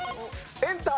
エンター。